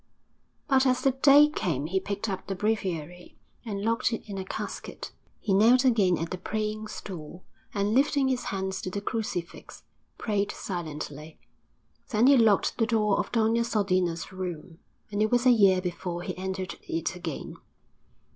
But as the day came he picked up the breviary and locked it in a casket; he knelt again at the praying stool and, lifting his hands to the crucifix, prayed silently. Then he locked the door of Doña Sodina's room, and it was a year before he entered it again.